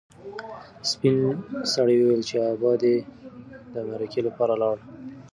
سپین سرې وویل چې ابا دې د مرکې لپاره لاړ.